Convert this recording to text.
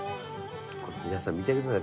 皆さん見てください。